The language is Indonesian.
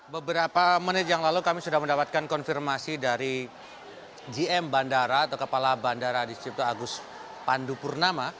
beberapa menit yang lalu kami sudah mendapatkan konfirmasi dari gm bandara atau kepala bandara adi sucipto agus pandu purnama